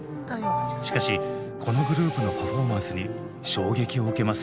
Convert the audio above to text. しかしこのグループのパフォーマンスに衝撃を受けます。